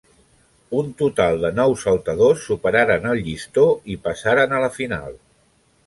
Un total de nou saltadors superaren el llistó i passaren a la final.